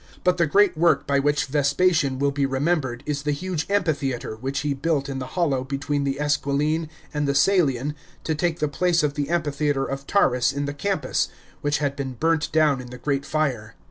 But the great work by which Vespasian will be remembered is the huge amphitheatre which he built in the hollow between the Esquiline and the Caelian to take the place of the amphitheatre of Taurus in the Campus, which had been burnt down in the great fire.